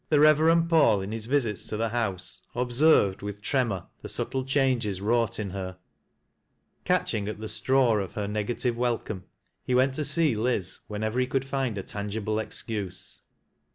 The Eeverend Paul, in his visits to the house, observct] with tremor, the subtle changes wrought in her. Catcli ing at the straw of her negative welcome, he went to see Liz whenever he could find a tangible excuse.